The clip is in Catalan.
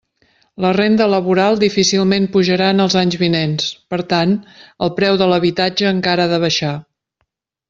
La renda laboral difícilment pujarà en els anys vinents; per tant, el preu de l'habitatge encara ha de baixar.